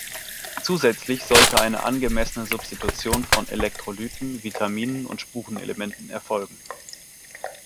Zusätzlich sollte eine angemessene Substitution von Elektrolyten, Vitaminen und Spurenelementen erfolgen.